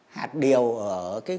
hạt điều ở khuôn đường